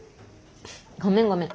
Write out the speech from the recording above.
ごめんごめん。